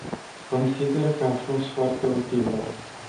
Consider că a fost foarte utilă.